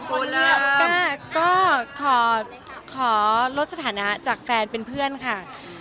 กูเริ่มอ่าก็ขอขอลดสถานะจากแฟนเป็นเพื่อนค่ะ